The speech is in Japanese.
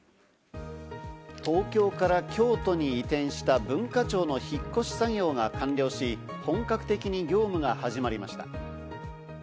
東京から京都に移転した文化庁の引っ越し作業が完了し、本格的に業務が始まりました。